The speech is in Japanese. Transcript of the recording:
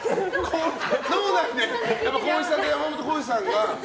脳内で浩市さんと山本耕史さんが。